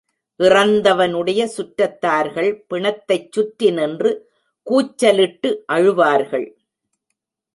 இறந்தவனுடைய சுற்றத்தார்கள் பிணத்தைச் சுற்றி நின்று கூச்சலிட்டு அழுவார்கள்.